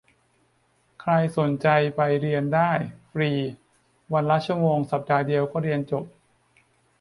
ใครสนใจไปเรียนได้ ฟรี วันละชั่วโมง สัปดาห์เดียวก็จบ